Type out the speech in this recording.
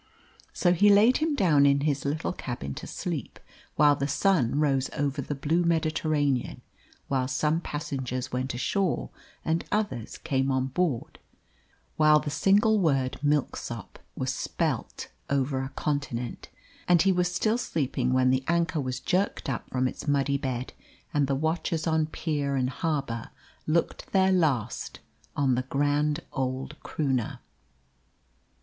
So he laid him down in his little cabin to sleep, while the sun rose over the blue Mediterranean, while some passengers went ashore and others came on board, while the single word "Milksop" was spelt over a continent; and he was still sleeping when the anchor was jerked up from its muddy bed, and the watchers on pier and harbour looked their last on the grand old Croonah.